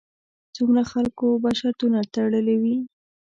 څومره خلکو به شرطونه تړلې وي.